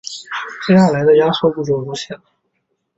接下来的压缩步骤如下。